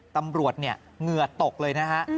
ตำรวจเนี่ยเหงื่อตกเลยนะฮะ